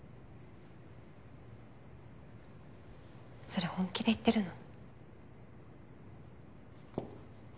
それ本気で言ってるの？